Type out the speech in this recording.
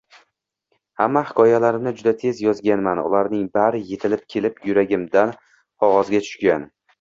Hamma hikoyalarimni juda tez yozganman, ularning bari yetilib kelib yuragimdan qog‘ozga tushgan